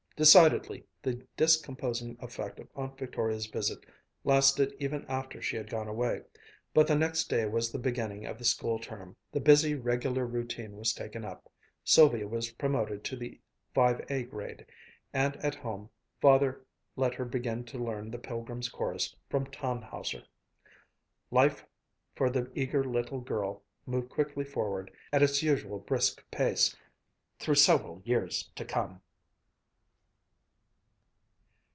Decidedly the discomposing effect of Aunt Victoria's visit lasted even after she had gone away. But the next day was the beginning of the school term, the busy, regular routine was taken up, Sylvia was promoted to the 5A grade, and at home Father let her begin to learn the Pilgrim's Chorus, from Tannhauser. Life for the eager little girl moved quickly forward at its usual brisk pace, through several years to come.